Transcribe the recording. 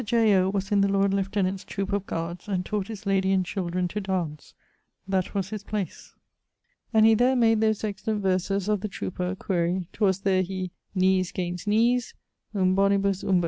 J. O. was in the Lord Lieutenant's troope of guards, and taught his lady and children to dance; that was his place. And he there made those excellent verses _of the Troupe_r (quaere). 'Twas there he.... knees 'gainst knees (umbonibus umbo).